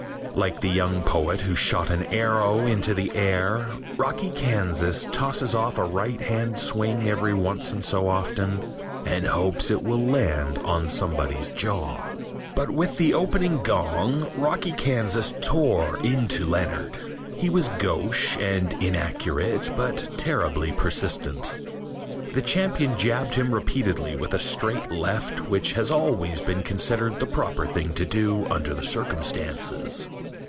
Like the young poet who shot an arrow into the air, Rocky Kansas tosses off a right hand swing every once and so often and hopes that it will land on somebody's jaw. But with the opening gong Rocky Kansas tore into Leonard. He was gauche and inaccurate but terribly persistent. The champion jabbed him repeatedly with a straight left which has always been considered the proper thing to do under the circumstances.